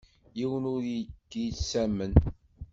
Yiwen ur k-yettamen.